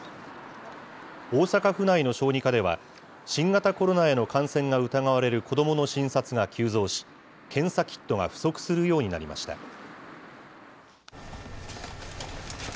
大阪府内の小児科では、新型コロナへの感染が疑われる子どもの診察が急増し、検査キットが不足するようになりました。